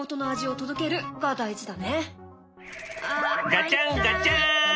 ガチャンガチャン！